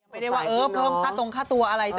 ไม่ได้ว่าเออเพิ่มค่าตรงค่าตัวอะไร